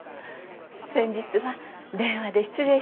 先日は電話で失礼しました。